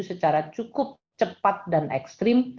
secara cukup cepat dan ekstrim